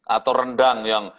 atau rendang yang